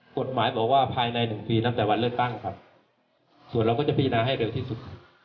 กฎหมายบอกว่าภายใน๑ปีตั้งแต่วันเลือกตั้งครับส่วนเราก็จะพินาให้เร็วที่สุด